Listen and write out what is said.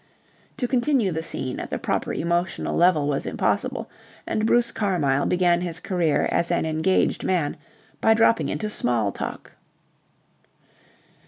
To continue the scene at the proper emotional level was impossible, and Bruce Carmyle began his career as an engaged man by dropping into Smalltalk.